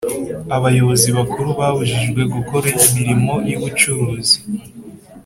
Abayobozi bakuru babujijwe gukora imirimo y ubucuruzi